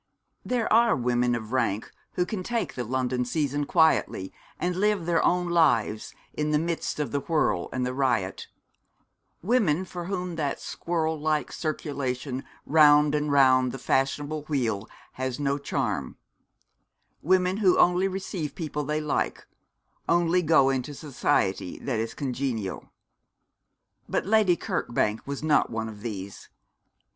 There are women of rank who can take the London season quietly, and live their own lives in the midst of the whirl and the riot women for whom that squirrel like circulation round and round the fashionable wheel has no charm women who only receive people they like, only go into society that is congenial. But Lady Kirkbank was not one of these.